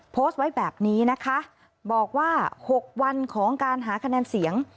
โพสต์ไว้แบบนี้นะคะบอกว่า๖วันของการหาคะแนนเสียง